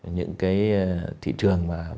những cái thị trường mà việt nam